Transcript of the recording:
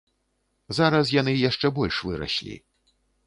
Зараз яны яшчэ больш выраслі.